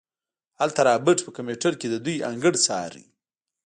هلته رابرټ په کمپيوټر کې د دوئ انګړ څاره.